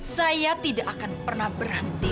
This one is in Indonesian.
saya tidak akan pernah berhenti